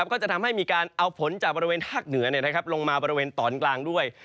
ก็จะทำให้มีการเอาฝนจากบริเวณภาคเหนือลงมาบริเวณตอนกลางด้วย